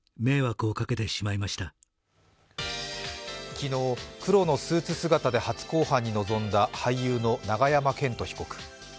昨日、黒のスーツ姿で初公判に臨んだ俳優の永山絢斗被告。